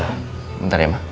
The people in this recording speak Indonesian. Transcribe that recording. gila bentar ya emang